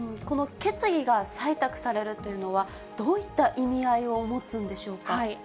この決議が採択されるというのは、どういった意味合いを持つんでしょうか。